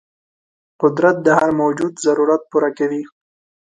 قدرت د هر موجود ضرورت پوره کوي.